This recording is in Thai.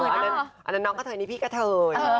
เอาล่ะน้องกะเทยนี่พี่กะเทย